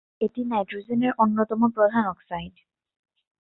এটি নাইট্রোজেনের অন্যতম প্রধান অক্সাইড।